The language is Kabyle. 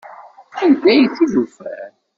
Anda ay t-id-ufant?